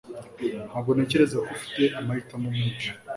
Ntabwo ntekereza ko ufite amahitamo menshi